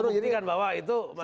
kita memperhatikan bahwa itu